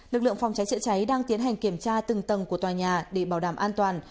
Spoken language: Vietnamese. lực lượng phòng cháy chữa cháy đang tiến hành kiểm tra từng tầng của tòa nhà để bảo đảm an toàn